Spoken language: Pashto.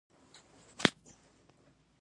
ناسا د ټولې نړۍ د فضایي رادار څارنه کوي.